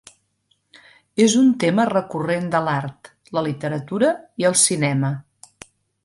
És un tema recurrent de l'art, la literatura i el cinema.